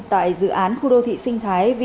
tại dự án khu đô thị sinh thái